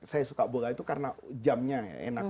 saya suka bola itu karena jamnya enak